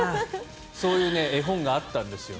そういう絵本があったんですよ。